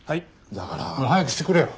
だから。早くしてくれよ。